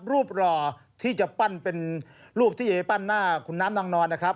รอที่จะปั้นเป็นรูปที่เอปั้นหน้าคุณน้ำนางนอนนะครับ